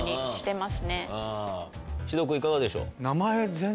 獅童君いかがでしょう？